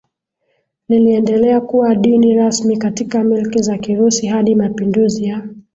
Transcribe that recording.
liliendelea kuwa dini rasmi katika milki za Kirusi hadi mapinduzi ya